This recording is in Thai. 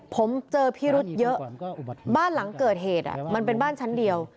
ผมเจอพิรุษเยอะบ้านหลังเกิดเหตุมันเป็นบ้านชั้นเดียว